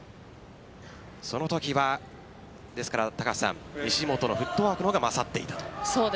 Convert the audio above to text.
そのときは、高橋さん西本のフットワークの方が勝っていたと。